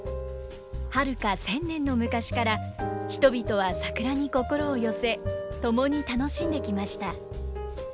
はるか１，０００年の昔から人々は桜に心を寄せ共に楽しんできました。